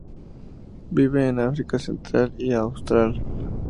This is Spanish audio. Vive en África central y austral.